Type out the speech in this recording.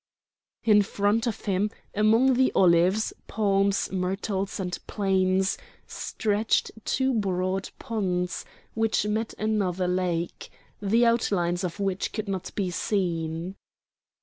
In front of him, among the olives, palms, myrtles and planes, stretched two broad ponds which met another lake, the outlines of which could not be seen.